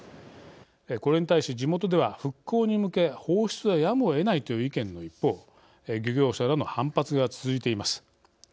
これに対し地元では復興に向け放出はやむをえないという意見の一方漁業者らの反発が続いています。